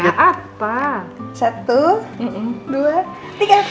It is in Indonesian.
apa satu dua tiga